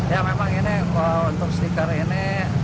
ya memang ini untuk stiker ini